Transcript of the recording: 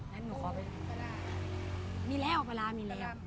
มันมีแล้วปลาร้ามีแล้ว